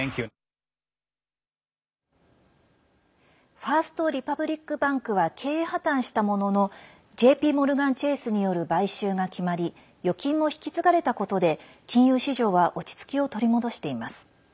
ファースト・リパブリック・バンクは経営破綻したもののＪＰモルガン・チェースによる買収が決まり預金も引き継がれたことで金融市場は落ち着きを取り戻しています。